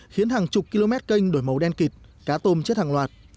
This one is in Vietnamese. khiến hàng chục km kênh đổi màu đen kịt cá tôm chết hàng loạt